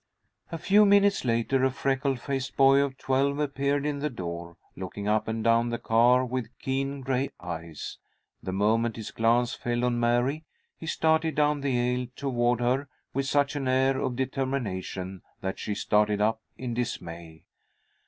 A few minutes later a freckle faced boy of twelve appeared in the door, looking up and down the car with keen gray eyes. The moment his glance fell on Mary, he started down the aisle toward her with such an air of determination that she started up in dismay.